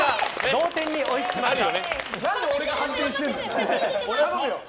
同点に追いつきました。